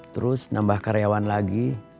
terus nambah karyawan lagi